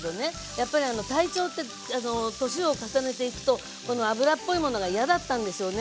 やっぱり体調って年を重ねていくとこの油っぽいものが嫌だったんでしょうね。